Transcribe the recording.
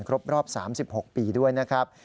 ครบรอบ๓๖ปีด้วยนะครับ